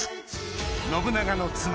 信長の妻